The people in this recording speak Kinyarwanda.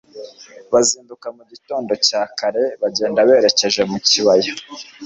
bazinduka mu gitondo cya kare bagenda berekeje mu kibaya